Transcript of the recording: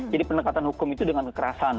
jadi penekatan hukum itu dengan kekerasan